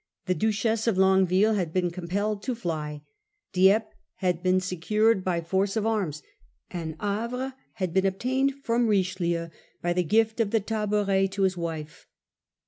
The Duchess of Longueville had been compelled to fly ; Dieppe had been secured by force of arms, and Havre had been obtained from Richelieu by the gift of the tabouret to his wife.